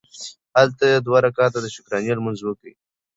هلته یې دوه رکعته د شکرانې لمونځ وکړ.